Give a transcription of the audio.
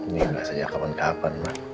nggak sejak kapan kapan ma